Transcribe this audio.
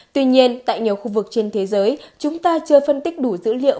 tuy nhiên tại nhiều khu vực trên thế giới chúng ta chưa phân tích đủ dữ liệu